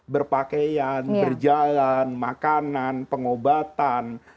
berpakaian berjalan makanan pengobatan